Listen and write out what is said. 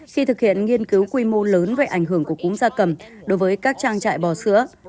khi thực hiện nghiên cứu quy mô lớn về ảnh hưởng của cúng gia cầm đối với các trang trại bò sữa